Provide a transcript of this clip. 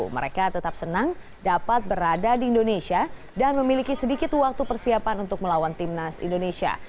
mereka tetap senang dapat berada di indonesia dan memiliki sedikit waktu persiapan untuk melawan timnas indonesia